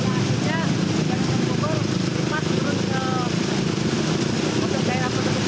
akhirnya dari ke bogor rimpas turun ke kutub jaya rampututu